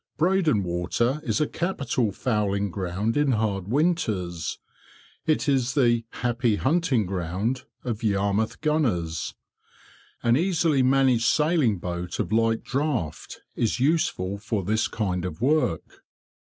Breydon Water is a capital fowling ground in hard winters. It is the "happy hunting ground" of Yarmouth gunners. An easily managed sailing boat of light draught is useful for this kind of work.